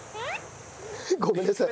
ごめんなさい。